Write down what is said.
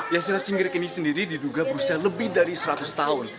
ya silat cingkrik ini sendiri diduga berusia lebih dari seratus tahun